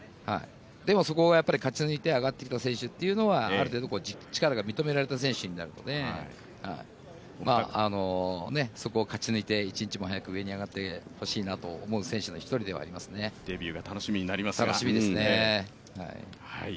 そこを勝ち抜いて上がってきた選手は、ある程度、力が認められた選手になるのでそこを勝ち抜いて一日も早く上に上がってほしい選手の一人だと思いますねデビューが楽しみになりますが。